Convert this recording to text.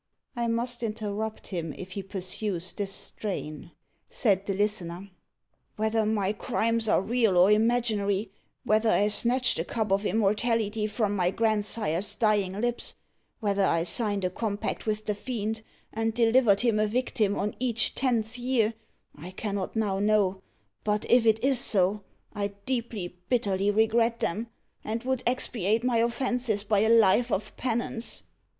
"I must interrupt him if he pursues this strain," said the listener. [Illustration: Rougemont's device to perplex Auriol.] "Whether my crimes are real or imaginary whether I snatched the cup of immortality from my grandsire's dying lips whether I signed a compact with the Fiend, and delivered him a victim on each tenth year I cannot now know; but if it is so, I deeply, bitterly regret them, and would expiate my offences by a life of penance."